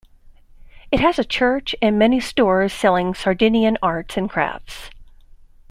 It has a church and many stores selling Sardinian arts and crafts.